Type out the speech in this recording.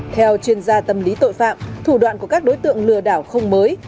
theo chuyên gia tâm lý tội phạm thủ đoạn của các đối tượng lừa đảo không mới